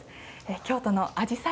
京都のあじさい